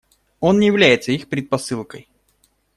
Он не является их предпосылкой.